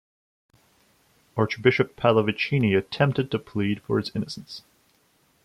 Archbishop Pallavicini attempted to plead for his innocence.